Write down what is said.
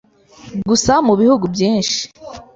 Gusa mu bihugu byinshi